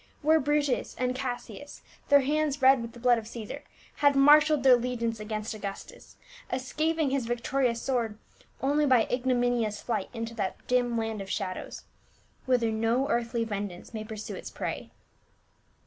Where Brutus and Cassius, their hands red with the blood of Caisar, had marshaled their legions against Augustus, escaping his victorious sword only by ig nominious flight into that dim land of shadows, whither no earthly vengeance may pursue its prey.